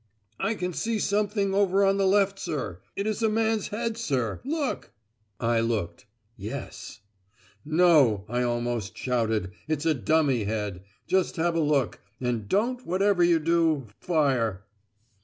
"I can see something over on the left, sir. It is a man's head, sir! Look!" I looked. Yes! "No," I almost shouted. "It's a dummy head. Just have a look. And don't, whatever you do, fire."